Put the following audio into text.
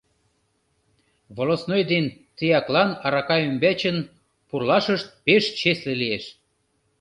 Волостной ден тияклан арака ӱмбачын пурлашышт пеш чесле лиеш.